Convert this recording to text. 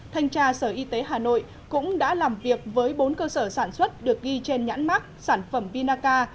thanh tra sở y tế hà nội cũng đã làm việc với bốn cơ sở sản xuất được ghi trên nhãn mắc sản phẩm vinaca